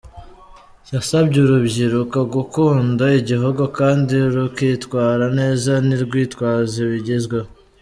Yasabye urubyiruko gukunda igihugu kandi rukitwara neza ntirwitwaze ibigezweho.